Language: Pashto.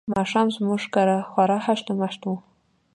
ماښام زموږ کره خوار هشت و مشت وو.